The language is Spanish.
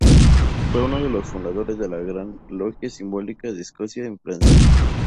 Fue uno de los fundadores de "La Gran Logia Simbólica de Escocia en Francia".